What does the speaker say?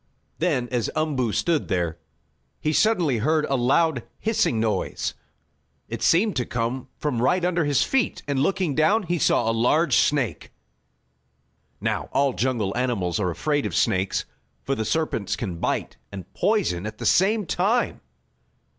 Then, as Umboo stood there, he suddenly heard a loud, hissing noise. It seemed to come from right under his feet, and, looking down, he saw a large snake. Now all jungle animals are afraid of snakes for the serpents can bite and poison at the same time.